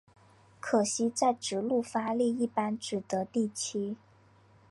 可惜在直路发力一般只得第七。